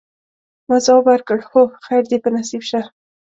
ما ځواب ورکړ: هو، خیر دي په نصیب شه.